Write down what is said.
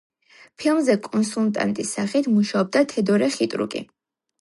ფილმზე კონსულტანტის სახით მუშაობდა თედორე ხიტრუკი.